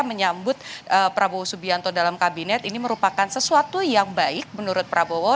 menyambut prabowo subianto dalam kabinet ini merupakan sesuatu yang baik menurut prabowo